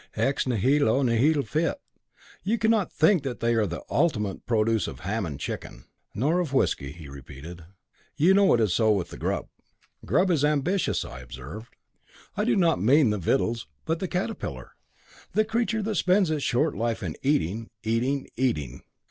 Ex nihilo nihil fit. You cannot think that they are the ultimate produce of ham and chicken." "Nor of whisky." "Nor of whisky," he repeated. "You know it is so with the grub." "Grub is ambiguous," I observed. "I do not mean victuals, but the caterpillar. That creature spends its short life in eating, eating, eating.